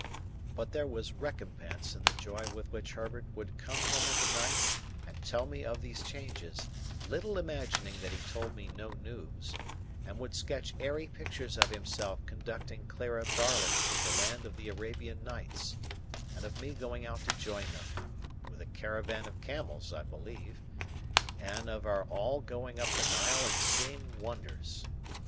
But there was recompense in the joy with which Herbert would come home of a night and tell me of these changes, little imagining that he told me no news, and would sketch airy pictures of himself conducting Clara Barley to the land of the Arabian Nights, and of me going out to join them (with a caravan of camels, I believe), and of our all going up the Nile and seeing wonders.